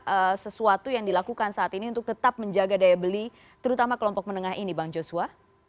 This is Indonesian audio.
ada sesuatu yang dilakukan saat ini untuk tetap menjaga daya beli terutama kelompok menengah ini bang joshua